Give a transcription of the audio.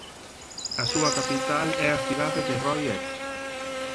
A súa capital é a cidade de Roi Et.